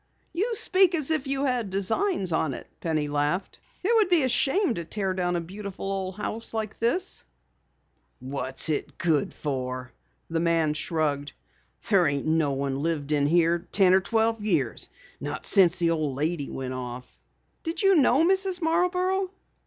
"You speak as if you had designs on it," Penny laughed. "It would be a shame to tear down a beautiful old house such as this." "What's it good for?" the man shrugged. "There ain't no one lived here in ten or twelve years. Not since the old lady went off." "Did you know Mrs. Marborough?"